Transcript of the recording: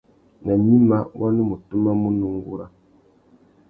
Nà gnïmá, wa nu mù tumamú nà ungura.